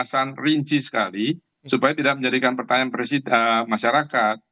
itu kan semuanya perlu penjelasan rinci sekali supaya tidak menjadikan pertanyaan presiden masyarakat